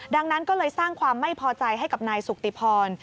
ดังนั้นก็เลยสร้างความไม่พอใจให้กับนายสุติพร